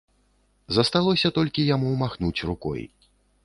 Засталося толькі яму махнуць рукой.